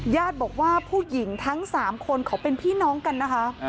ญาติบอกว่าผู้หญิงทั้ง๓คนเขาเป็นพี่น้องกันนะคะ